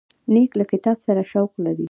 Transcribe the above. نیکه له کتاب سره شوق لري.